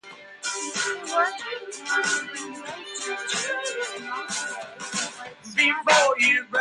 He worked on the renovation of churches and monasteries on Lake Skadar.